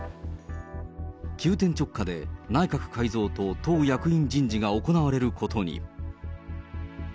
急転直下で、内閣改造と党役員人事が行われることに。